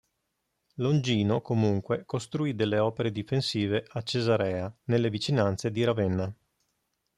Longino comunque costruì delle opere difensive a Cesarea, nelle vicinanze di Ravenna.